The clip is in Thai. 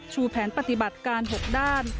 แผนปฏิบัติการ๖ด้าน